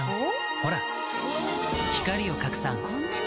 ほら光を拡散こんなに！